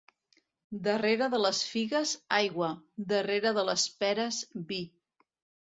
Darrere de les figues, aigua; darrere de les peres, vi.